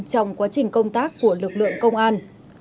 trong quá trình công tác của lực lượng công an